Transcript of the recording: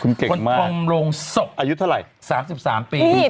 คุณเก่งมากอายุเท่าไรคุณเก่งมากคนทำโรงศพ